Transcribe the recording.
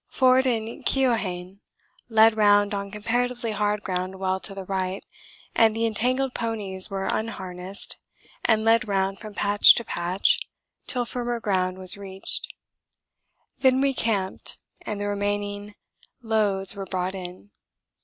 Forde and Keohane led round on comparatively hard ground well to the right, and the entangled ponies were unharnessed and led round from patch to patch till firmer ground was reached. Then we camped and the remaining loads were brought in.